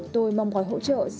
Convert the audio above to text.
tôi mong gọi hỗ trợ của chính phủ